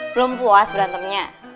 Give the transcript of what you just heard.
belum puas berantemnya